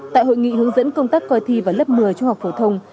tại hội nghị hướng dẫn công tác coi thi vào lớp một mươi trung học phổ thông